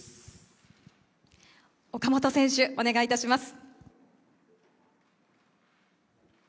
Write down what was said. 岡本選手、お願いいたします。